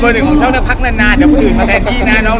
เบอร์หนึ่งของช่องก็พักนานนานเดี๋ยวคนอื่นมาแทนที่หน้าน้อง